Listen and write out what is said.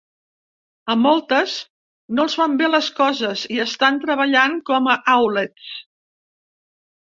A moltes no els van bé les coses i estan treballant com a outlets.